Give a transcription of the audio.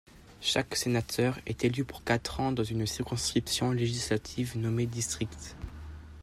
Chaque sénateur est élu pour quatre ans dans une circonscription législative nommée district.